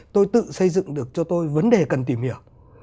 tôi tự xây dựng được cho tôi vấn đề cần tìm hiểu